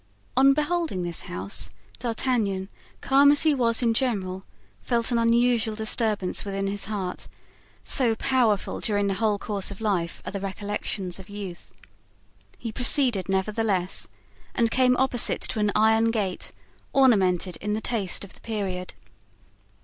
On beholding this house, D'Artagnan, calm as he was in general, felt an unusual disturbance within his heart—so powerful during the whole course of life are the recollections of youth. He proceeded, nevertheless, and came opposite to an iron gate, ornamented in the taste of the period.